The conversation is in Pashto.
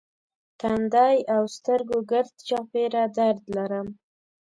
تندی او سترګو ګرد چاپېره درد لرم.